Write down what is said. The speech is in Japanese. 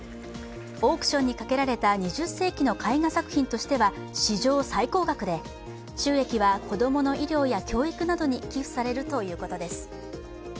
オークションにかけられた２０世紀の絵画作品としては史上最高額で収益は、子供の医療や教育などに寄付されるということです。